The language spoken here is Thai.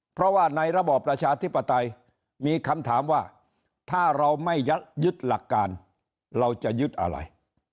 เพราะว่าในระบอบประชาธิปไตยมีคำถามว่าถ้าเราไม่ยึดหลักการเราจะยึดอะไร